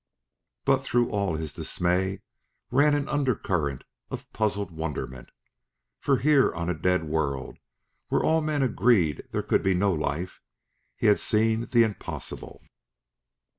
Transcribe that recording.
But through all his dismay ran an undercurrent of puzzled wonderment. For here on a dead world, where all men agreed there could be no life, he had seen the impossible.